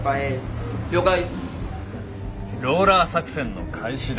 ローラー作戦の開始だ。